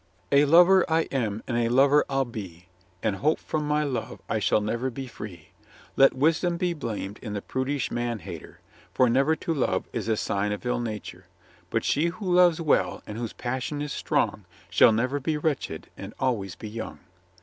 A lover I am, and a lover I'll be ! And hope from my love I shall never be free. Let wisdom be blamed in the prudish man hater, For never to love is a sign of ill nature ! But she who loves well, and whose passion is strong, Shall never be wretched, and always be young.